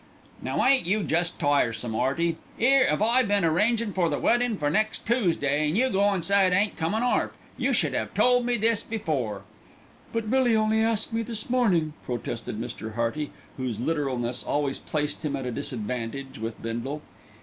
"Now ain't you jest tiresome, 'Earty. 'Ere 'ave I been arrangin' for the weddin' for next Toosday, and you go and say it ain't comin' orf; you should 'ave told me this before." "But Millie only asked me this morning," protested Mr. Hearty, whose literalness always placed him at a disadvantage with Bindle.